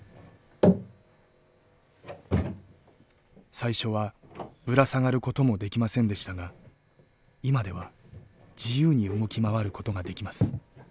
最初はぶら下がることもできませんでしたが今では自由に動き回ることができます。